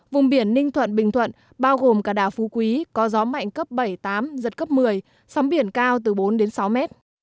vùng biển ninh thuận bình thuận bao gồm cả đảo phú quý có gió mạnh cấp bảy tám giật cấp một mươi sóng biển cao từ bốn đến sáu mét